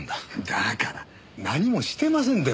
だから何もしてませんってば。